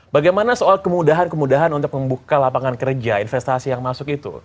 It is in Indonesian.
bagaimana soal kemudahan kemudahan untuk membuka lapangan kerja investasi yang masuk itu